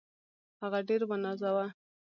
هغه ډېر ونازاوه.